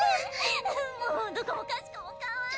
もうどこもかしこもかわいい！